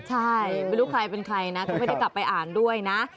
ใช่ไม่รู้ใครเป็นใครนะก็ไม่ได้กลับไปอ่านด้วยนะ